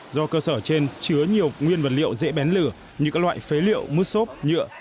do cơ sở trên chứa nhiều nguyên vật liệu dễ bén lửa như các loại phế liệu mứt xốp nhựa